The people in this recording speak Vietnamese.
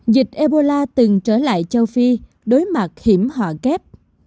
dịch ebola từng trở lại châu phi đối mặt hiểm họa kép